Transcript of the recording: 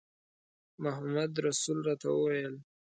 محمدرسول راته وویل.